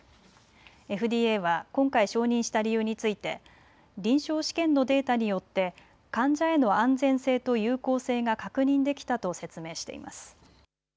ＦＤＡは今回承認した理由について臨床試験のデータによって患者への安全性と有効性が確認できたと説明しています。